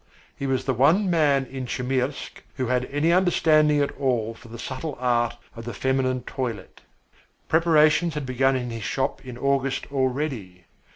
He was the one man in Chmyrsk who had any understanding at all for the subtle art of the feminine toilet. Preparations had begun in his shop in August already.